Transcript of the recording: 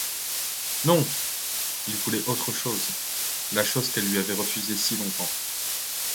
Non! il voulait autre chose, la chose qu’elle lui avait refusée si longtemps.